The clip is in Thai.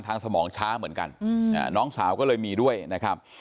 สมองช้าเหมือนกันน้องสาวก็เลยมีด้วยนะครับ